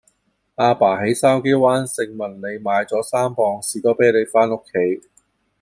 亞爸喺筲箕灣盛民里買左三磅士多啤梨返屋企